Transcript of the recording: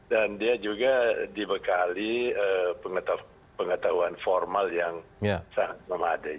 dan dia juga dibekali pengetahuan formal yang sangat memadai